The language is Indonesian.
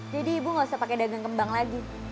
jadi ibu gak usah pakai dagang kembang lagi